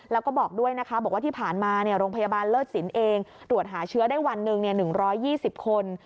แล้วก็บอกด้วยนะคะบอกว่าที่ผ่านมาโรงพยาบาลเลิศสินเองตรวจหาเชื้อได้วันหนึ่ง๑๒๐คน